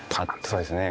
そうですね。